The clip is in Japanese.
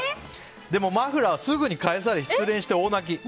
でもマフラーはすぐに返され失恋され大泣き。